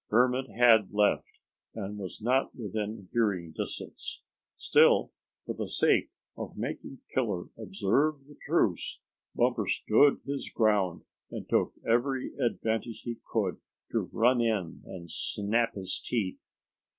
Hermit had left, and was not within hearing distance. Still for the sake of making Killer observe the truce, Bumper stood his ground, and took every advantage he could to run in and snap his teeth.